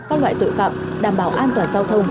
các loại tội phạm đảm bảo an toàn giao thông